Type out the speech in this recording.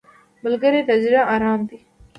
ملګری د زړه ارام دی